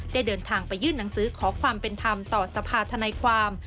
เดินทางไปยื่นหนังสือขอความเป็นธรรมต่อสภาธนายความ